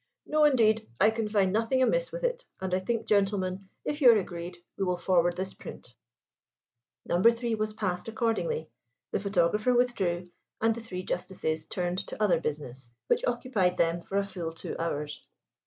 No, indeed, I can find nothing amiss with it, and I think, gentlemen, if you are agreed, we will forward this print." No. 3 was passed accordingly, the photographer withdrew, and the three Justices turned to other business, which occupied them for a full two hours.